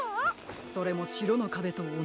それもしろのかべとおなじいろ。